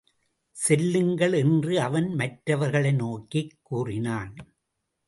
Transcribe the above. செல்லுங்கள் என்று அவன் மற்றவர்களை நோக்கிக் கூறினான்.